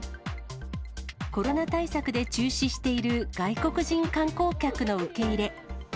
コロナ対策で中止している外国人観光客の受け入れ。